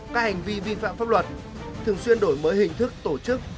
các hành vi vi phạm pháp luật thường xuyên đổi mới hình thức tổ chức